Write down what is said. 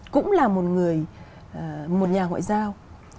cũng là một người một nhà ngoại giao